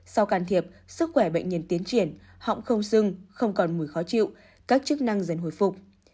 sau can thiệp sức khỏe bệnh nhân tiến triển họng không sưng không còn mùi khó chịu các chức năng dần hồi phục